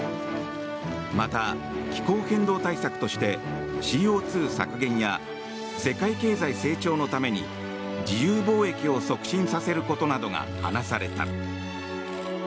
また、気候変動対策としてＣＯ２削減や世界経済成長のために自由貿易を促進させることなどが話された。